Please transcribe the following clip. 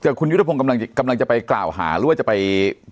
แต่คุณยุทธพงศ์กำลังจะไปกล่าวหาหรือว่าจะไป